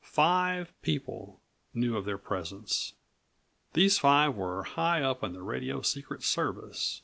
Five people knew of their presence. These five were high up in the radio secret service.